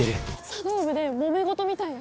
茶道部でもめ事みたいよ。